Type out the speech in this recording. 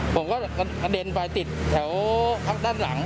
ผมก็กระเด็นไปติดแถวพักด้านหลัง